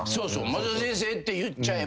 マスダ先生って言っちゃえば。